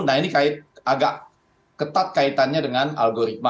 nah ini agak ketat kaitannya dengan algoritma